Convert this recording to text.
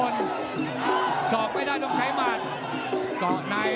ยอมรับเลย